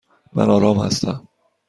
من آرام هستم.